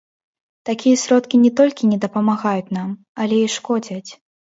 Такія сродкі не толькі не дапамагаюць нам, але і шкодзяць.